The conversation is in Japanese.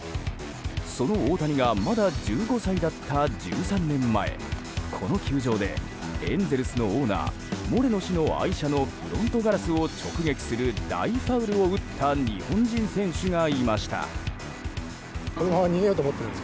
その大谷がまだ１５歳だった１３年前この球場でエンゼルスのオーナーモレノ氏の愛車のフロントガラスを直撃する大ファウルを打った日本人選手がいました。